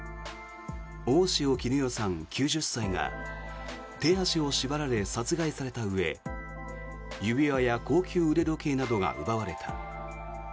大塩衣與さん、９０歳が手足を縛られ殺害されたうえ指輪や高級腕時計などが奪われた。